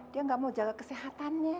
dia nggak mau jaga kesehatannya